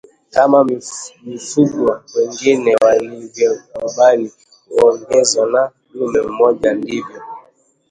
Kama mifugo wengine walivyokubali kuongozwa na ndume mmoja ndivyo